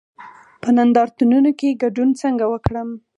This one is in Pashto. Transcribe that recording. په نندارتونونو کې ګډون څنګه وکړم؟